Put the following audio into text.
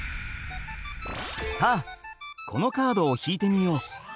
さあこのカードを引いてみよう！